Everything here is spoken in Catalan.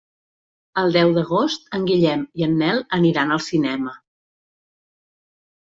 El deu d'agost en Guillem i en Nel aniran al cinema.